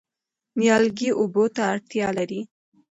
نیالګي اوبو ته اړتیا لري.